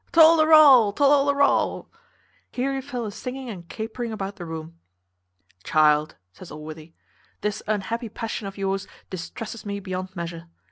Tol de rol, tol lol de rol." Here he fell a singing and capering about the room. "Child," says Allworthy, "this unhappy passion of yours distresses me beyond measure.